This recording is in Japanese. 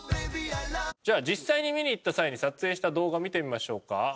じゃあ実際に見に行った際に撮影した動画見てみましょうか。